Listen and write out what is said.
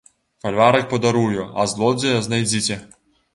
Фальварак падарую, а злодзея знайдзіце!